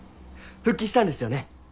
復帰したんですよね。